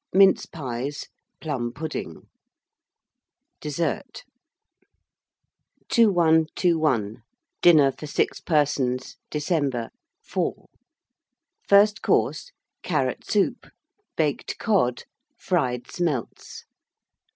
Mince Pies. Plum pudding. Dessert. 2121. DINNER FOR 6 PERSONS (December). IV. FIRST COURSE. Carrot Soup. Baked Cod. Fried Smelts.